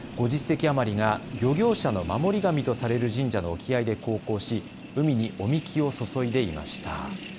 ５０隻余りが漁業者の守り神とされる神社の沖合で航行し海にお神酒を注いでいました。